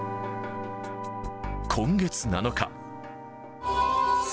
今月７日。